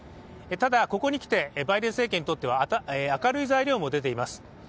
ただ、ここに来てバイデン政権にとっては明るい材料も出ています。